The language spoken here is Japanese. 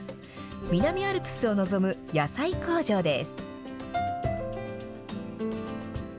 南アルプスを臨む野菜工場です。